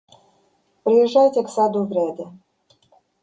Приезжайте к саду Вреде.